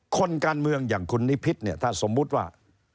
คนการเมืองอย่างคุณนิพิษเนี่ยถ้าสมมุติว่า